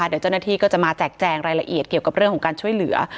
เดี๋ยวเจ้าหน้าที่ก็จะมาแจกแจงรายละเอียดเกี่ยวกับเรื่องของการช่วยเหลือ